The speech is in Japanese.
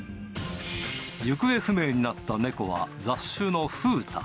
行方不明になった猫は雑種のふうた。